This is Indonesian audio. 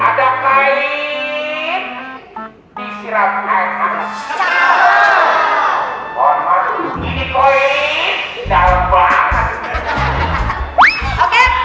ada kain di sirap air